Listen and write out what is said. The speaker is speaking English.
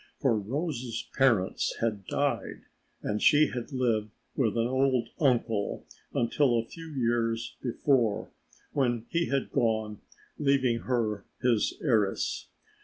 For Rose's parents had died and she had lived with an old uncle until a few years before when he had gone, leaving her his heiress.